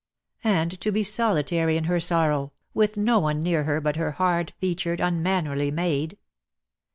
And to be solitary in her sorrow, with no one near her but her hard featured, unmannerly maid!